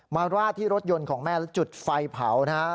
ราดที่รถยนต์ของแม่แล้วจุดไฟเผานะฮะ